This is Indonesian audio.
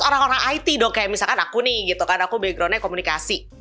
orang orang it dong kayak misalkan aku nih gitu kan aku backgroundnya komunikasi